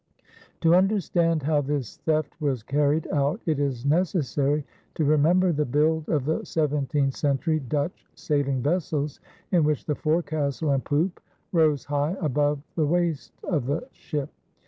To understand how this theft was carried out it is necessary to remember the build of the seventeenth century Dutch sailing vessels in which the forecastle and poop rose high above the waist of the ship.